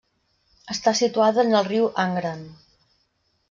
Està situada en el riu Angren.